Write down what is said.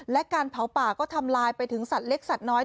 และการเผาป่าก็ทำลายไปถึงสัตว์เล็กสัตว์น้อย